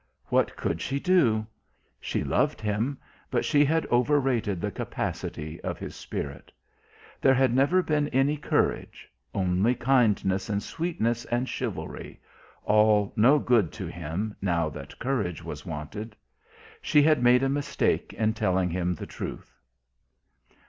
What could she do? She loved him, but she had overrated the capacity of his spirit. There had never been any courage, only kindness and sweetness and chivalry all no good to him, now that courage was wanted. She had made a mistake in telling him the truth.